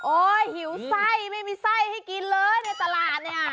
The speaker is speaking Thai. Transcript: หิวไส้ไม่มีไส้ให้กินเลยในตลาดเนี่ย